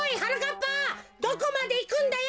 ぱどこまでいくんだよ！